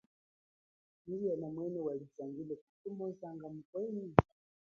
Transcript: Nyi yena mwene walizangile, kuchi muzanga mukwenu?